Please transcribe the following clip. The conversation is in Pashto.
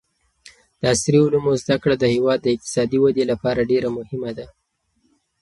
د عصري علومو زده کړه د هېواد د اقتصادي ودې لپاره ډېره مهمه ده.